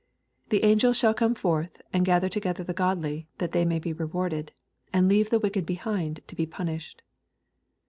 The angels shall come forth, and gather to gether the godly, that they may be rewarded ; and leave the wicked behind to be punished.